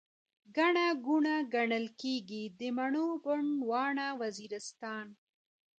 ګڼه ګوڼه، ګڼل کيږي، د مڼو بڼ، واڼه وزيرستان